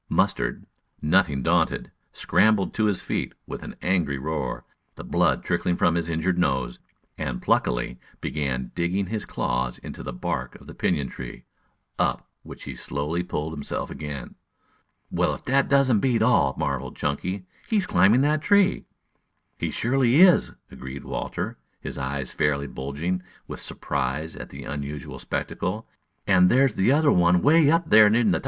Mustard, nothing daunted, scrambled to his feet with an angry roar, the blood trickling from his injured nose, and pluckily began digging his claws into the bark of the pinyon tree, up which he slowly pulled himself again. "Well, if that doesn't beat all!" marveled Chunky. "He is climbing that tree!" "He surely is," agreed Walter, his eyes fairly bulging with surprise at the unusual spectacle. "And there's the other one away up in the top there.